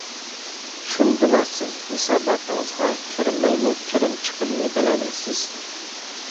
شۇندىلا سىز ھېساباتىڭىزغا كىرمەيمۇ كىرىم چىقىمنى بىلەلەيسىز.